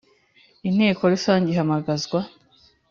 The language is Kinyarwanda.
Inteko rusange ihamagazwa